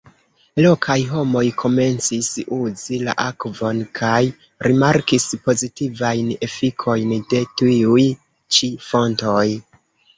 Lokaj homoj komencis uzi la akvon kaj rimarkis pozitivajn efikojn de tiuj ĉi fontoj.